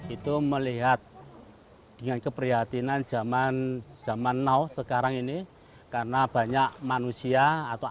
itu melihat dengan keprihatinan zaman zaman now sekarang ini karena banyak manusia atau